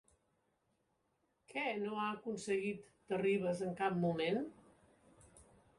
Què no ha aconseguit Terribas en cap moment?